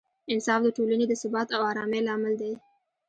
انصاف د ټولنې د ثبات او ارامۍ لامل دی.